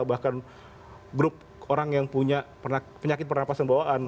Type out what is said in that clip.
bahkan grup orang yang punya penyakit pernafasan bawaan